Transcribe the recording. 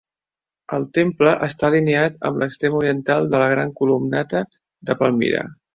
El temple està alineat amb l'extrem oriental de la Gran Columnata de Palmira.